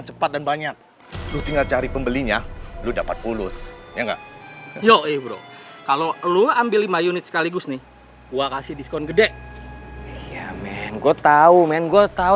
iya men gue tau men gue tau